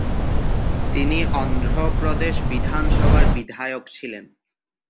তিনি অন্ধ্রপ্রদেশ বিধানসভার বিধায়ক ছিলেন।